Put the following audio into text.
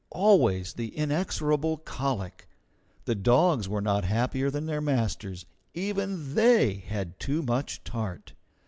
Always the inexorable colic. The dogs were not happier than their masters; even they had too much tart.